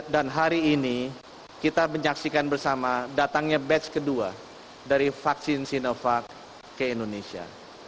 dan hari ini kita menyaksikan bersama datangnya batch kedua dari vaksin sinovac ke indonesia